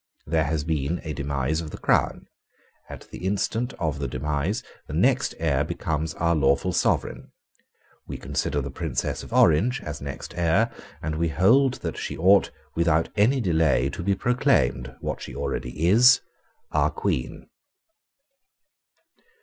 There has been a demise of the crown. At the instant of the demise the next heir became our lawful sovereign. We consider the Princess of Orange as next heir; and we hold that she ought, without any delay, to be proclaimed, what she already is, our Queen.